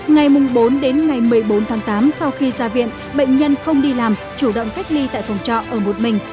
ngày bốn đến ngày một mươi bốn tháng tám sau khi ra viện bệnh nhân không đi làm chủ động cách ly tại phòng trọ ở một mình